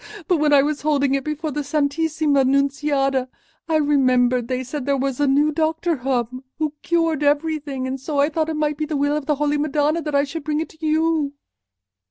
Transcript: But when I was holding it before the Santissima Nunziata, I remembered they said there was a new doctor come who cured everything; and so I thought it might be the will of the Holy Madonna that I should bring it to you."